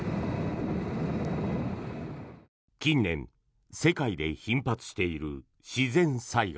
近年、世界で頻発している自然災害。